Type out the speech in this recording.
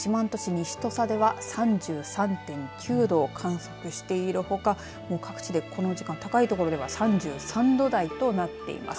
西土佐では３３．９度を観測しているほか各地でこの時間高い所では３３度台となっています。